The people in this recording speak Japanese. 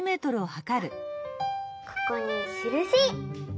ここにしるし！